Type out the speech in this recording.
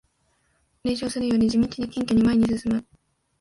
冷笑するより地道に謙虚に前に進む